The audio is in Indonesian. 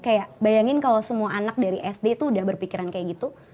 kayak bayangin kalau semua anak dari sd tuh udah berpikiran kayak gitu